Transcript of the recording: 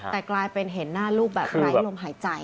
แต่กลายเป็นเห็นหน้าลูกแบบไร้ลมหายใจ